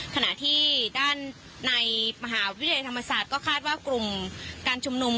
ขณะที่ด้านในมหาวิทยาลัยธรรมศาสตร์ก็คาดว่ากลุ่มการชุมนุม